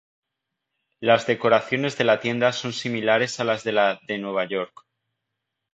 Las decoraciones de la tienda son similares a las de la de Nueva York.